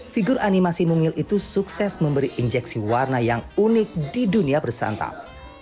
figur animasi mungil itu sukses memberi injeksi warna yang unik di dunia bersantap